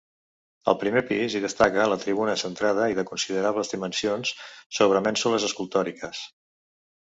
Al primer pis hi destaca la tribuna, centrada i de considerables dimensions, sobre mènsules escultòriques.